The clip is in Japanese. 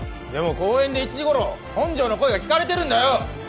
公園で１時頃本条の声が聞かれてるんだよ！